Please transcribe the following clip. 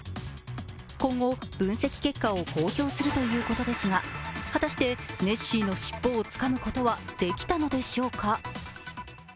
今後、分析結果を公表するということですが果たしてネッシーの尻尾をつかむことはできたのでしょうか。